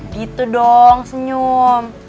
gitu dong senyum